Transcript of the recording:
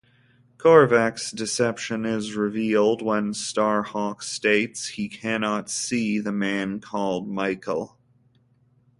Korvac's deception is revealed when Starhawk states he cannot see the man called "Michael".